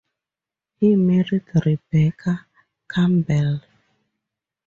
He married Rebecca Campbell.